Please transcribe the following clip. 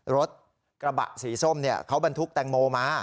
รถกระบะสีส้มเขาบรรทุกแตงโมมา